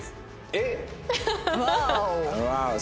えっ